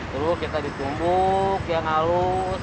terus kita ditumbuk yang halus